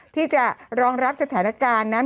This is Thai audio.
ที่จะรองรับสถานการณ์นั้น